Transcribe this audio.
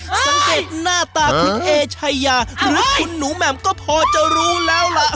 สังเกตหน้าตาคุณเอชายาหรือคุณหนูแหม่มก็พอจะรู้แล้วล่ะ